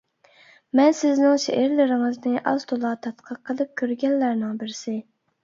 مەن سىزنىڭ شېئىرلىرىڭىزنى ئاز-تولا تەتقىق قىلىپ كۆرگەنلەرنىڭ بىرسى.